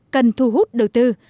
cần thu hút đầu tư